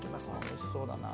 おいしそうだな。